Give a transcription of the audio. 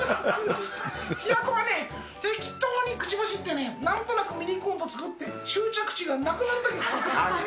平子はね、適当に口走ってね、なんとなくミニコント作って終着地がなくなるときがあるから。